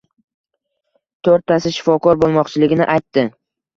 To‘rttasi shifokor bo‘lmoqchiligini aytdi.